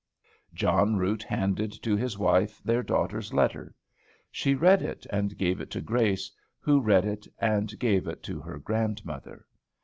John Root handed to his wife their daughter's letter; she read it, and gave it to Grace, who read it, and gave it to her grandmother.